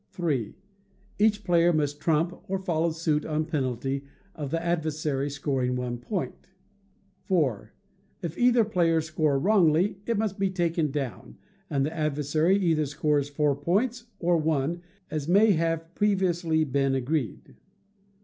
iii. Each player must trump or follow suit on penalty of the adversary scoring one point. iv. If either player score wrongly it must be taken down, and the adversary either scores four points or one, as may have previously been agreed.